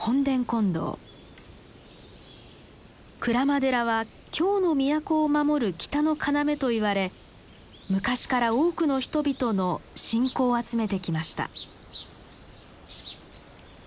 鞍馬寺は京の都を守る北の要と言われ昔から多くの人々の信仰を集めてきました。